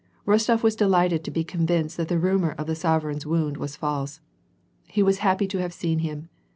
Rostof was delighted to be convinced that the rumor of the sove reign's wound was false. He was happy to have seen him.